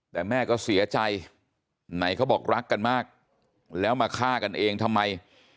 แต่แม่ก็เสียใจไหนเขาบอกรักกันมากแล้วมาฆ่ากันเองทำไม